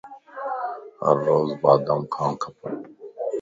ھر روز بادام کاڻ کپن